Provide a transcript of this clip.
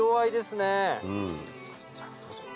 じゃあどうぞ。